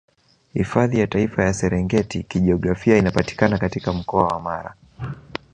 Hifadhi ya Taifa ya Serengeti Kijiografia inapatikana katika mkoa wa Mara